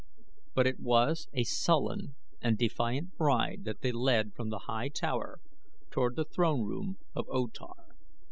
But it was a sullen and defiant bride that they led from the high tower toward the throne room of O Tar.